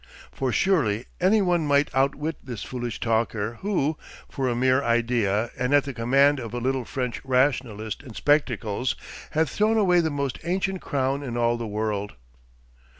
For surely any one might outwit this foolish talker who, for a mere idea and at the command of a little French rationalist in spectacles, had thrown away the most ancient crown in all the world.